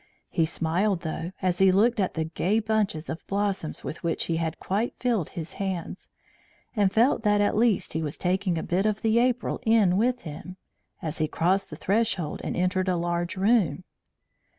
He smiled, though, as he looked at the gay bunches of blossoms with which he had quite filled his hands, and felt that at least he was taking a bit of the April in with him, as he crossed the threshold and entered a large room.